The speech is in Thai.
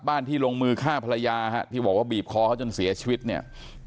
ที่ลงมือฆ่าภรรยาฮะที่บอกว่าบีบคอเขาจนเสียชีวิตเนี่ย